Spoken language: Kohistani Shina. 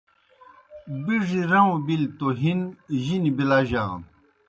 بِڙیْ رَؤں بِلیْ توْ ہِن جِنیْ بِلَجانوْ۔